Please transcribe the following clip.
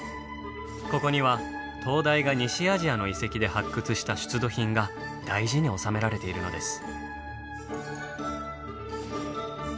ここには東大が西アジアの遺跡で発掘した出土品が大事に収められているのです。